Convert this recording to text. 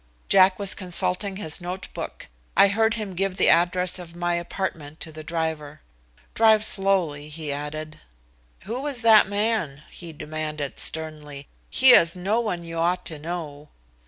Jack was consulting his note book. I heard him give the address of my apartment to the driver. "Drive slowly," he added. "Who was that man?" he demanded sternly. "He is no one you ought to know."